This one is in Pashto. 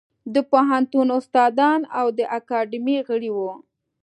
د پوهنتون استادان او د اکاډمۍ غړي وو.